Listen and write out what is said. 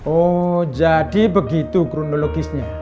oh jadi begitu kronologisnya